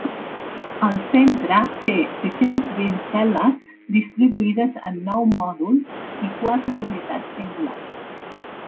El centre té sis-cents vint cel·les distribuïdes en nou mòduls i quatre unitats singulars.